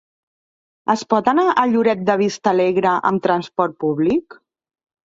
Es pot anar a Lloret de Vistalegre amb transport públic?